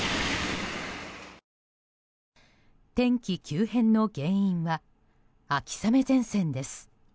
天気急変の原因は秋雨前線です。